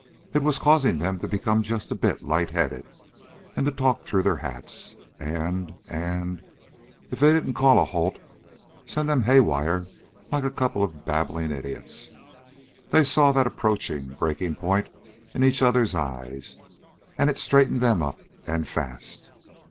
It was causing them to become just a bit light headed, to talk through their hats, and and, if they didn't call a halt, send them haywire like a couple of babbling idiots. They saw that approaching breaking point in each other's eyes. And it straightened them up, and fast.